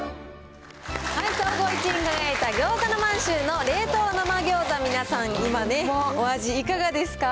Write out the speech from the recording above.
総合１位に輝いた、ぎょうざの満洲の冷凍生ぎょうざ、皆さん、今ね、お味いかがですか。